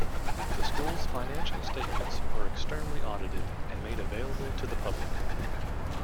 The school's financial statements are externally audited and made available to the public.